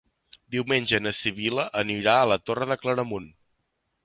Diumenge na Sibil·la anirà a la Torre de Claramunt.